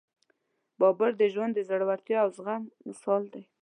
د بابر ژوند د زړورتیا او زغم مثال دی.